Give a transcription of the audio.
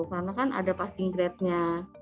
karena kan ada passing grade nya